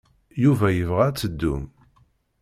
Yuba yebɣa ad teddum.